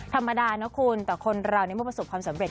ธรรมดานะคุณแต่คนเราในเมื่อประสบความสำเร็